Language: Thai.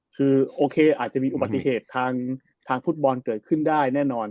คือโอเคอาจจะมีอุบัติเหตุทางฟุตบอลเกิดขึ้นได้แน่นอน